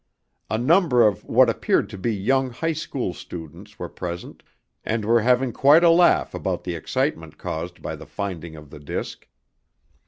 A number of what appeared to be young high school students were present and were having quite a laugh about the excitement caused by the finding of the disc.